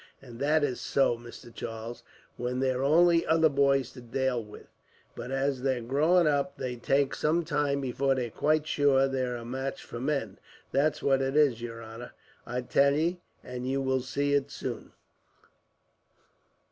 "And that is so, Mr. Charles, when they've only other boys to dale with; but as they're growing up, they take some time before they're quite sure they're a match for men. That's what it is, yer honor, I tell ye, and you will see it, soon."